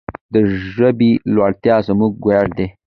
د ژبې لوړتیا زموږ ویاړ دی.